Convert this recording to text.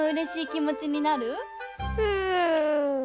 うん。